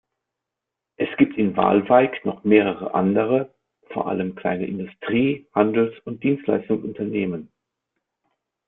Es gibt in Waalwijk noch mehrere andere, vor allem kleine Industrie-, Handels-, und Dienstleistungsunternehmen.